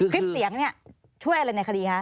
คลิปเสียงเนี่ยช่วยอะไรในคดีคะ